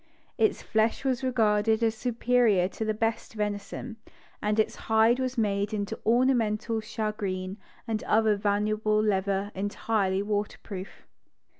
Its flesh was regarded as superior to the best venison, and its hide was made into ornamental shagreen and other valuable leather entirely waterproof